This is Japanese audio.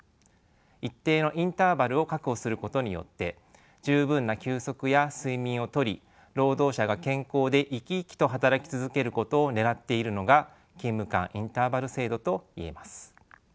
一定のインターバルを確保することによって十分な休息や睡眠をとり労働者が健康で生き生きと働き続けることをねらっているのが勤務間インターバル制度と言えます。